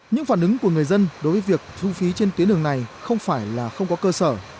những phản ứng của người dân đối với việc thu phí trên tuyến đường này không phải là không có cơ sở